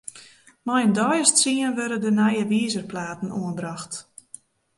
Mei in deis as tsien wurde de nije wizerplaten oanbrocht.